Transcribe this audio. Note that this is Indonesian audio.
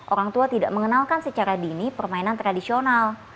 orang tua tidak mengenalkan secara dini permainan tradisional